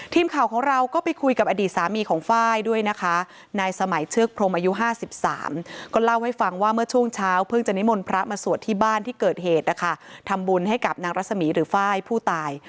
ทีมข่าวของเราก็ไปคุยกับอดีตสามีของไฟล์ด้วยนะคะนายสมัยเชือกพรมอายุ๕๓ก็เล่าให้ฟังว่าเมื่อช่วงเช้าเพิ่งจะนิมนต์พระมาสวดที่บ้านที่เกิดเหตุนะคะทำบุญให้กับนางรัศมีหรือไฟล์ผู้ตาย